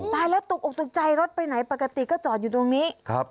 ตายแล้วตกออกตกใจรถไปไหนปกติก็จอดอยู่ตรงนี้ครับ